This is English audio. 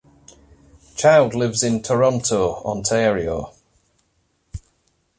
Child lives in Toronto, Ontario.